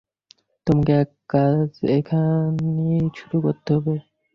তোমাকে এ কাজ এখনই শুরু করতে হবে।